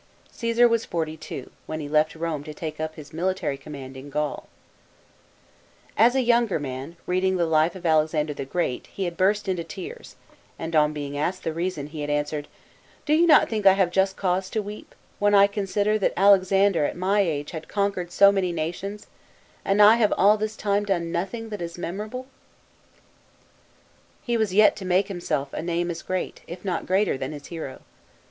Caesar was forty two, when he left Rome to take up his military com mand in Gaul. As a younger man, reading the life of Alexander the Great, he had burst into tears, and on being asked the reason he had answered, " Do you not think I have just cause to weep, when I consider that Alexander 1 at my age, had conquered so 1 See chapter 41. 182 OESAR IN BRITAIN. [B.C. 55. many nations, and I have all this time done noth ing that is memorable ?" He was yet to make himself a name as great, if not greater, than his hero.